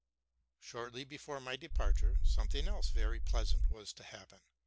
Shortly before my departure, something else very pleasant was to happen.